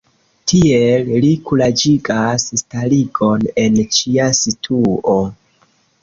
Tiel li kuraĝigas starigon en ĉia situo.